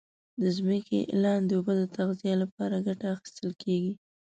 د ځمکې لاندي اوبو د تغذیه لپاره کټه اخیستل کیږي.